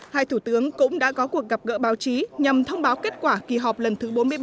hai thủ tướng cũng đã có cuộc gặp gỡ báo chí nhằm thông báo kết quả kỳ họp lần thứ bốn mươi ba